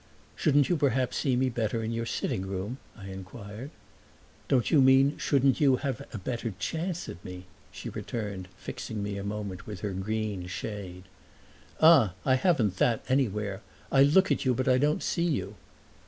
"Shouldn't you perhaps see me better in your sitting room?" I inquired. "Don't you mean shouldn't you have a better chance at me?" she returned, fixing me a moment with her green shade. "Ah, I haven't that anywhere! I look at you but I don't see you."